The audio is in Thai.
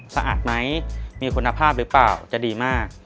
สะอาดไหมมีคุณภาพหรือเปล่าจะดีมาก